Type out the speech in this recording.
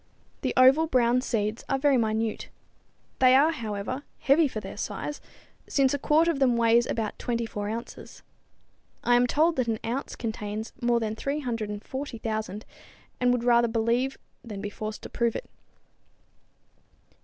The oval, brown seeds are very minute. They are, however, heavy for their size, since a quart of them weighs about 24 ounces. I am told that an ounce contains more than 340,000, and would rather believe than be forced to prove it.